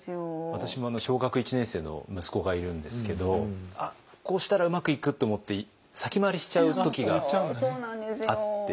私も小学１年生の息子がいるんですけどこうしたらうまくいくと思って先回りしちゃう時があって。